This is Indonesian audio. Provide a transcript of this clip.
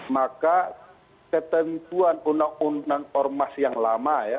maka ketentuan undang undang ormas yang lama ya